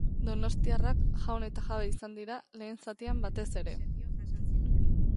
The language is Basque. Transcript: Donostiarrak jaun eta jabe izan dira, lehen zatian batez ere.